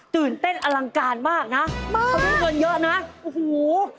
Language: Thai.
ตื่นเต้นอลังการมากนะขนาดเงินเยอะนะโอ้โฮมาก